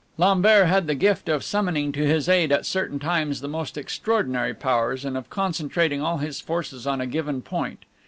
Lambert had the gift of summoning to his aid at certain times the most extraordinary powers, and of concentrating all his forces on a given point.